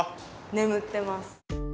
眠ってます。